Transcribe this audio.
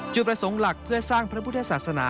จุดประสงค์หลักเพื่อสร้างพระพุทธศาสนา